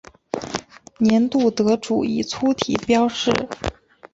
年度得主以粗体标示。